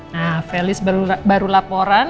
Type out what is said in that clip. nah felice baru laporan